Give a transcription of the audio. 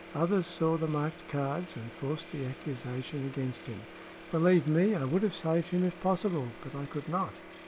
Others saw the marked cards and forced the accusation against him. Believe me, I would have saved him if possible; but I could not."